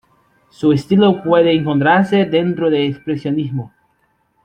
Su estilo puede encuadrarse dentro del expresionismo.